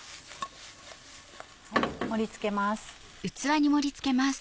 盛り付けます。